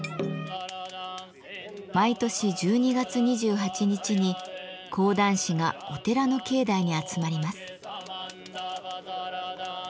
毎年１２月２８日に講談師がお寺の境内に集まります。